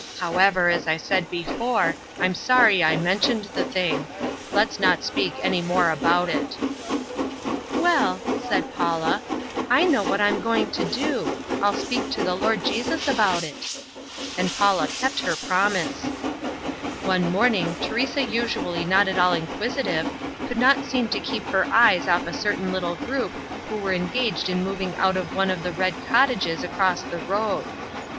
However, as I said before, I'm sorry I mentioned the thing. Let's not speak any more about it" "Well," said Paula, "I know what I'm going to do. I'll speak to the Lord Jesus about it." And Paula kept her promise. One morning, Teresa usually not at all inquisitive, could not seem to keep her eyes off a certain little group who were engaged in moving out of one of the "Red Cottages" across the road.